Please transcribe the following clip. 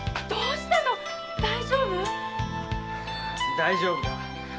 大丈夫だ。